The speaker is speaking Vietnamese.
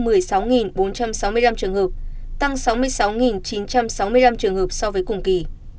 vi phạm nồng độ cồn mát túy có một trăm một mươi sáu bốn trăm sáu mươi năm trường hợp tăng sáu mươi sáu chín trăm sáu mươi năm trường hợp so với cùng kỳ